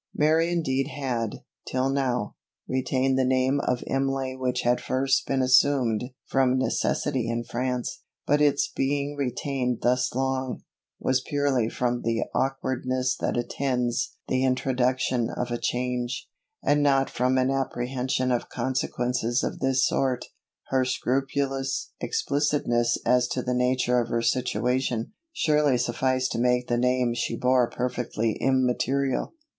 Mary indeed had, till now, retained the name of Imlay which had first been assumed from necessity in France; but its being retained thus long, was purely from the aukwardness that attends the introduction of a change, and not from an apprehension of consequences of this sort. Her scrupulous explicitness as to the nature of her situation, surely sufficed to make the name she bore perfectly immaterial.